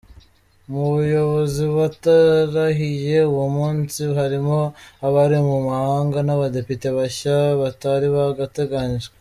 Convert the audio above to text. Mu bayobozi batarahiye uwo munsi harimo abari mu mahanga, n’ abadepite bashya batari bagatangajwe.